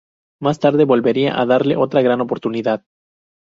Más tarde volvería a darle otra gran oportunidad.